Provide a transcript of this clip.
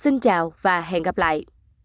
xin chào và hẹn gặp lại